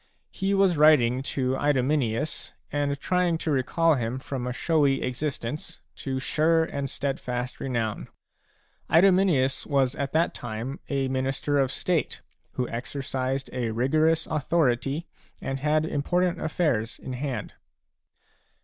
He was writing a to Idomeneus and trying to recall him from a showy existence to sure and steadfast renown. Idomeneus was at that time a minister of state who exercised a rigorous authority and had important affairs in hand.